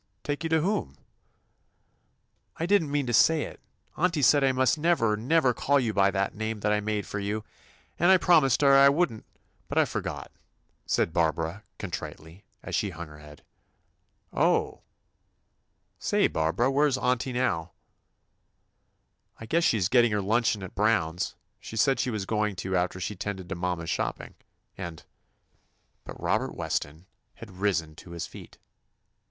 Take you to whom?" "I did n't mean to say it I Auntie said I must never, never call you by that name that I made for you, and I promised her I would n't, but I for got," said Barbara, contritely, as she hung her head. "O — h! Say, Barbara* whereas auntie now?" "I guess she 's getting her luncheon at Brown's. She said she was going to after she 'tended to mamma's shop ping, and —" But Robert Weston had risen to his 161 THE ADVENTURES OF feet.